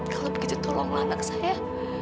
kalau begitu tolonglah anak saya